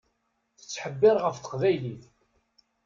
Tettḥebbiṛ ɣef teqbaylit.